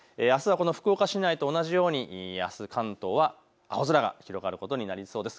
あすはこの福岡市内と同じように関東は青空が広がることになりそうです。